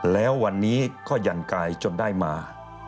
แล้ววันนี้ก็หยั่นกายจนได้มา